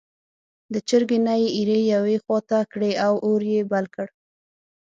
له چرګۍ نه یې ایرې یوې خوا ته کړې او اور یې بل کړ.